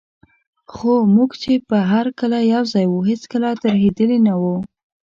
خو موږ چي به هر کله یوځای وو، هیڅکله ترهېدلي نه وو.